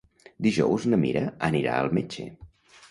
Dijous na Mira anirà al metge.